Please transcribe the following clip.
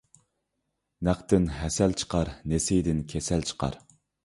نەقتىن ھەسەل چىقار، نېسىدىن كېسەل چىقار.